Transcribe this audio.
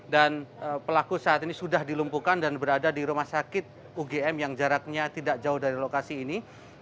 dan pelaku saat ini sudah dilumpuhkan dan berada di rumah sakit ugm yang jaraknya tidak jauh dari lokasi ini